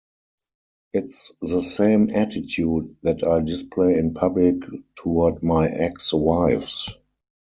It's the same attitude that I display in public toward my ex-wives.